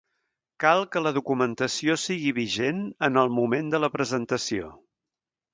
Cal que la documentació sigui vigent en el moment de la presentació.